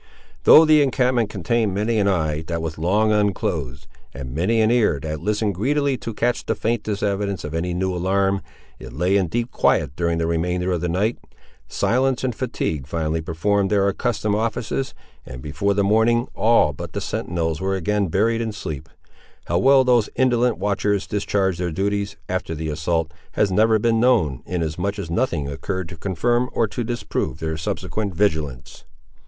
Though the encampment contained many an eye that was long unclosed, and many an ear that listened greedily to catch the faintest evidence of any new alarm, it lay in deep quiet during the remainder of the night. Silence and fatigue finally performed their accustomed offices, and before the morning all but the sentinels were again buried in sleep. How well these indolent watchers discharged their duties, after the assault, has never been known, inasmuch as nothing occurred to confirm or to disprove their subsequent vigilance.